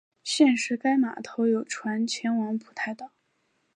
现时该码头有船前往蒲台岛。